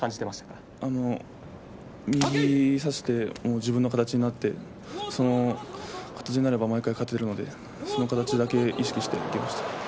右差して自分の形になってその形になれば毎年、勝てているのでその形だけ意識していきました。